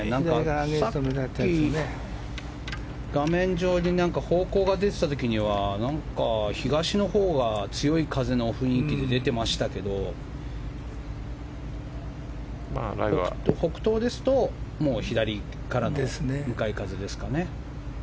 さっき画面上に方向が出てた時には東のほうが強い風の雰囲気で出てましたけど北東ですともう左からの向かい風ですかね。